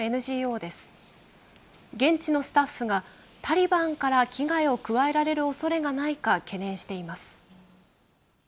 現地のスタッフがタリバンから危害を加えられるおそれがないか懸念しています。